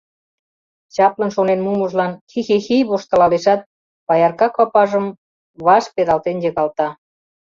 Чаплын шонен мумыжлан кик-хи-хи-к воштылалешат, паярка копажым ваш пералтен йыгалта.